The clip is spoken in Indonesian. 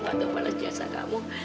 atau balas jasa kamu